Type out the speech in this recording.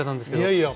いやいや。